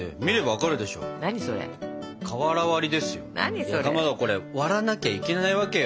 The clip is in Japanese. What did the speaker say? かまどこれ割らなきゃいけないわけよ。